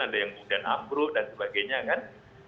ada yang kemudian ambruk dan sebagainya kan